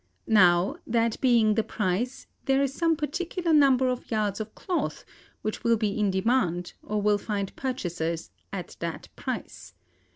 Now, that being the price, there is some particular number of yards of cloth, which will be in demand, or will find purchasers, at that price.